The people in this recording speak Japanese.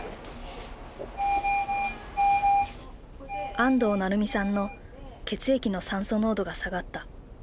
安東愛美さんの血液の酸素濃度が下がった。